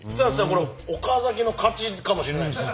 これ岡崎の勝ちかもしれないです。